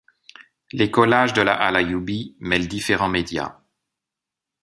Les collages d’Aula Al Ayoubi mêlent différents médias.